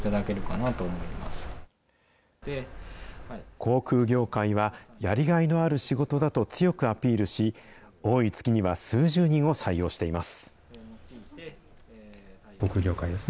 航空業界は、やりがいのある仕事だと強くアピールし、多い月には数十人を採用しています。